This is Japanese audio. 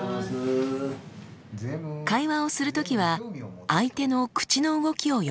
会話をする時は相手の口の動きを読み取っています。